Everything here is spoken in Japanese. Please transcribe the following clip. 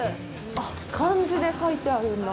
あっ、漢字で書いてあるんだ。